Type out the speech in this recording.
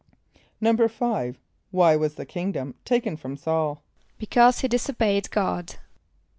= =5.= Why was the kingdom taken from S[a:]ul? =Because he disobeyed God.